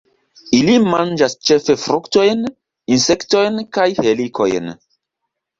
Ili manĝas ĉefe fruktojn, insektojn kaj helikojn.